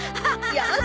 やだ